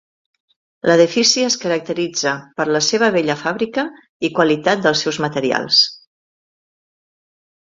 L'edifici es caracteritza per la seva bella fàbrica i qualitat dels seus materials.